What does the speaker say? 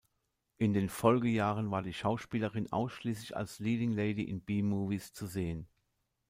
In den Folgejahren war die Schauspielerin ausschließlich als Leading Lady in B-Movies zu sehen.